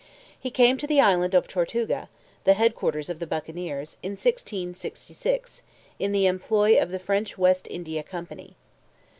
He came to the island of Tortuga, the headquarters of the Buccaneers, in 1666 in the employ of the French West India Company.